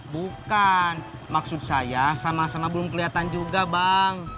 bukan maksud saya sama sama belum kelihatan juga bang